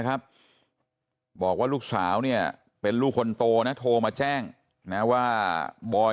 ครับบอกว่าลูกสาวเนี่ยเป็นลูกคนโตนะโทรมาแจ้งนะว่าบอย